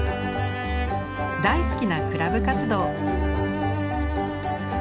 大好きなクラブ活動。